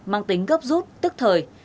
mang tính gấp rút tức thời